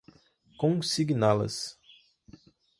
consigná-las